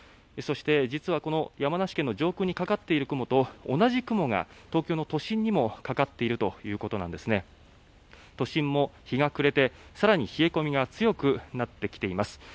そして、山梨県の上空にかかっている雲と同じ雲が東京の都心にもかかっているということで都心も日が暮れて更に冷え込みが強くなってきています。